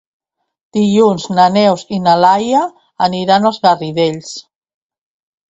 Dilluns na Neus i na Laia aniran als Garidells.